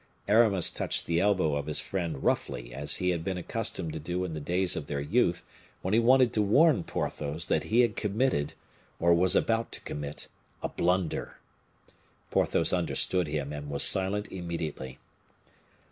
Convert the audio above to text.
Aramis touched the elbow of his friend roughly, as he had been accustomed to do in the days of their youth, when he wanted to warn Porthos that he had committed, or was about to commit, a blunder. Porthos understood him, and was silent immediately.